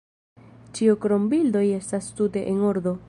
Ĉio krom bildoj estas tute en ordo.